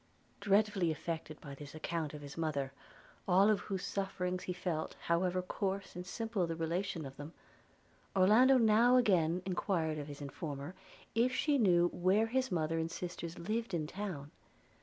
Dreadfully affected by this account of his mother, all of whose sufferings he felt, however coarse and simple the relation of them, Orlando now again enquired of his informer, if she knew where his mother and sisters lived in town?